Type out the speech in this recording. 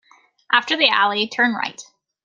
After the alley, turn right.